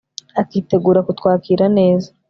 akitegura kutwakiraneza